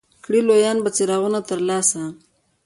کړي لویان به څراغونه ترې ترلاسه